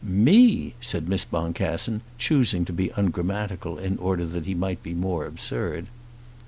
"Me!" said Miss Boncassen, choosing to be ungrammatical in order that he might be more absurd.